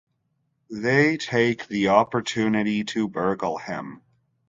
They take the opportunity to burgle him.